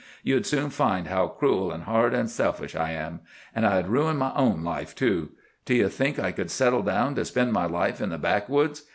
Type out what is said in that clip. You'd soon find how cruel, and hard, and selfish I am. An' I'd ruin my own life, too. Do you think I could settle down to spend my life in the backwoods?